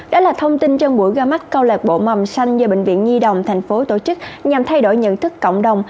đó là thông tin trong buổi ra mắt câu lạc bộ mầm xanh do bệnh viện nhi đồng tp hcm tổ chức nhằm thay đổi nhận thức cộng đồng